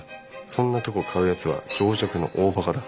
そんなとこ買うやつは情弱の大バカだ。